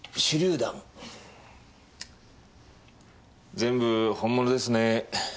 全部本物ですね。